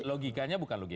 logikanya bukan logika